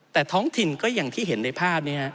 แต่ท้องถิ่นก็อย่างที่เห็นในภาพนี้